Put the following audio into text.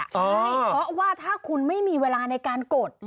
ใช่เพราะว่าถ้าคุณไม่มีเวลาในการกด